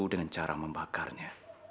dengan cara membakarnya